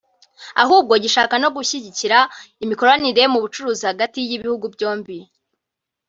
ahubwo gishaka no gushyigikira imikoranire mu bucuruzi hagati y’ibihugu byombi